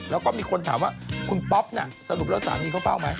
แล้วก็มีคนถามว่าคุณป๊อปน่ะสรุปแล้วสามีเขาเฝ้าไหม